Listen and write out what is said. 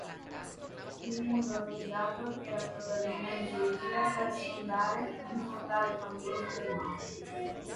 Il muso allungato era probabilmente utile per sondare il fondale fangoso del mare.